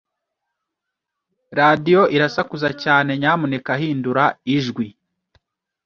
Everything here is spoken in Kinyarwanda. Radiyo irasakuza cyane. Nyamuneka hindura ijwi.